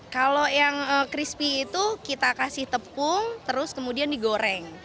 kalau yang crispy itu kita kasih tepung terus kemudian digoreng